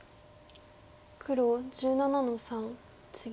黒１７の三ツギ。